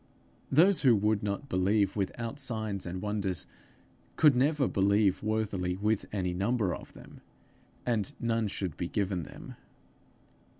Those who would not believe without signs and wonders, could never believe worthily with any number of them, and none should be given them!